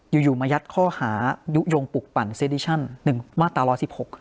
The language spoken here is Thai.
อยู่อยู่มายัดข้อหายุโยงปลูกปั่นซีรีชั่นหนึ่งมาตราสิบหก